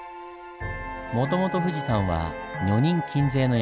もともと富士山は女人禁制の山。